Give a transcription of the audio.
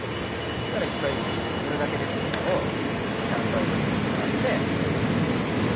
そしたら１回どれだけ出てるかをちゃんと味見をしてもらって。